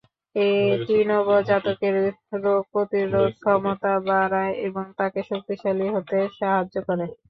এটি নবজাতকের রোগ প্রতিরোধক্ষমতা বাড়ায় এবং তাকে শক্তিশালী হতে সাহায্য করে।